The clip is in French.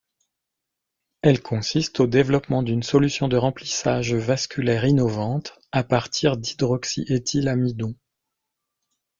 Elle consiste au développement d’une solution de remplissage vasculaire innovante à partir d'hydroxyéthylamidon.